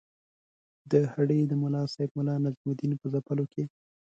د هډې د ملاصاحب ملا نجم الدین په ځپلو کې.